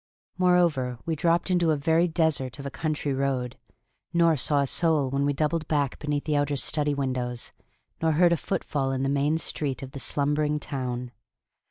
Moreover, we dropped into a very desert of a country road, nor saw a soul when we doubled back beneath the outer study windows, nor heard a footfall in the main street of the slumbering town.